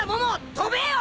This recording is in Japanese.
飛べよ！